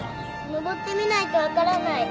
登ってみないと分からない。